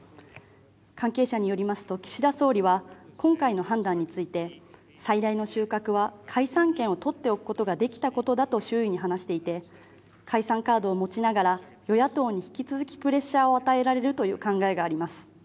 関係者によりますと、岸田総理は今回の判断について最大の収穫は解散権をとっておくことができたことだと周囲に話していて、解散カードを持ちながら与野党に引き続きプレッシャーを与えられるという考があります。